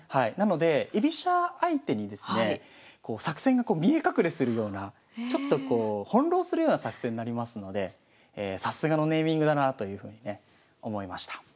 なので居飛車相手にですね作戦が見え隠れするようなちょっとこう翻弄するような作戦になりますのでさすがのネーミングだなというふうにね思いました。